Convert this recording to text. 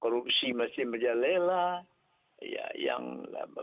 korupsi masih berjalan lela